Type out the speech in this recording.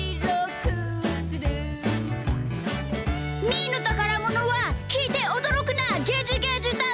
「みーのたからものはきいておどろくなゲジゲジだ！」